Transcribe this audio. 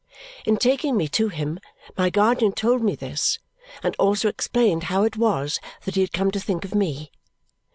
In taking me to him my guardian told me this, and also explained how it was that he had come to think of me.